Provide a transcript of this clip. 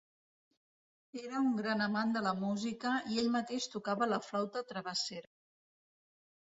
Era un gran amant de la música, i ell mateix tocava la flauta travessera.